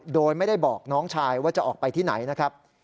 โดยไม่ได้บอกน้องชายว่าจะออกไปที่ไหนนะครับ